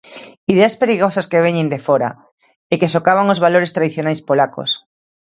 "Ideas perigosas que veñen de fóra" e que socavan os valores tradicionais polacos.